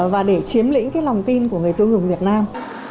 và để chiếm lĩnh cái lòng tin của người tiêu dùng việt nam